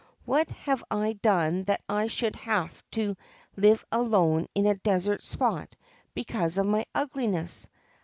What have I done that I should have to live alone in a desert spot because of my ugliness